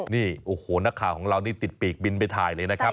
นี่โอ้โหนักข่าวของเรานี่ติดปีกบินไปถ่ายเลยนะครับ